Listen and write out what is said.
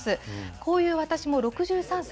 こういう私も６３歳。